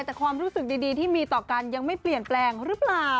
แต่ความรู้สึกดีที่มีต่อกันยังไม่เปลี่ยนแปลงหรือเปล่า